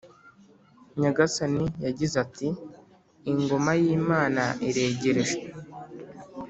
Nyagasani yagize ati ingoma yimana iregreje